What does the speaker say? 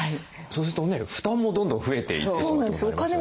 そうすると負担もどんどん増えていってしまうってことになりますよね。